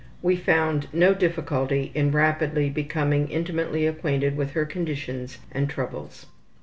We found no difficulty in rapidly becoming intimately acquainted with her conditions and troubles.